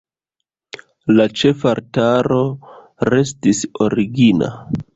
La ĉefaltaro restis origina.